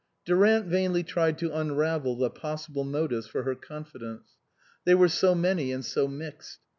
Durant vainly tried to unravel the possible motives for her confidence. They were so many and so mixed.